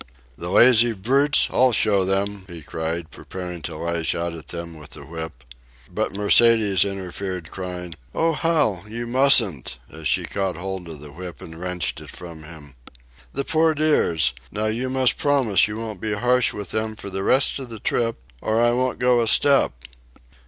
"The lazy brutes, I'll show them," he cried, preparing to lash out at them with the whip. But Mercedes interfered, crying, "Oh, Hal, you mustn't," as she caught hold of the whip and wrenched it from him. "The poor dears! Now you must promise you won't be harsh with them for the rest of the trip, or I won't go a step."